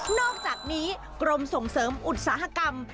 อกจากนี้กรมส่งเสริมอุตสาหกรรม